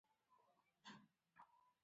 حل لاره خبرې دي.